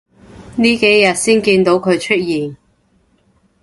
呢幾日先見到佢出現